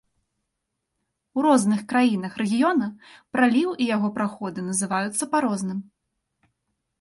У розных краінах рэгіёна, праліў і яго праходы называюцца па розным.